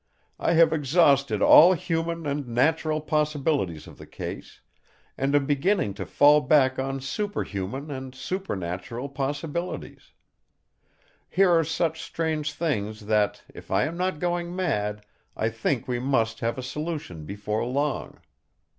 I have exhausted all human and natural possibilities of the case, and am beginning to fall back on superhuman and supernatural possibilities. Here are such strange things that, if I am not going mad, I think we must have a solution before long.